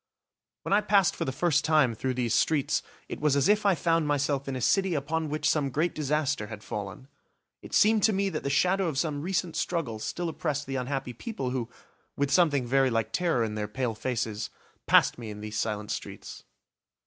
When I passed for the first time through these streets, it was as if I found myself in a city upon which some great disaster had fallen. It seemed to me that the shadow of some recent struggle still oppressed the unhappy people who, with something very like terror in their pale faces, passed me in these silent streets.